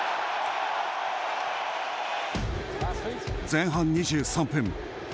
前半２３分。